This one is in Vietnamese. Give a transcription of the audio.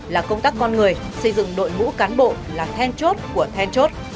là công tác con người xây dựng đội ngũ cán bộ là then chốt của then chốt